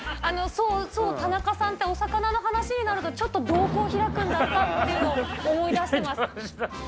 あの、そう、田中さんってお魚の話になると、ちょっと瞳孔開くんだっていうのを思い出してます。